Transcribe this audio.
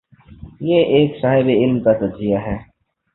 یہ ایک صاحب علم کا تجزیہ ہے۔